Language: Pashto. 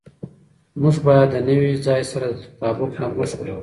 موږ باید د نوي ځای سره د تطابق نرمښت ولرو.